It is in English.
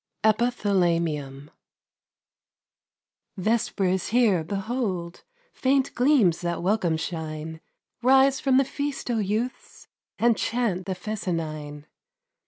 EPITHALAMIUM Vesper is here! behold Faint gleams that welcome shine! Rise from the feast, O youths, And chant the fescennine!